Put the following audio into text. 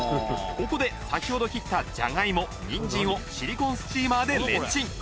ここで先ほど切ったじゃがいもにんじんをシリコーンスチーマーでレンチン